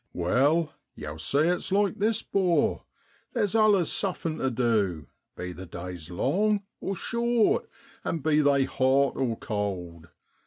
* Well, vow see it's like this, 'bor, there's allus suffin' tu du, be the days long or short, and be they hot or cold.